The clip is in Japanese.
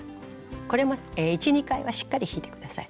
これも１２回はしっかり引いて下さい。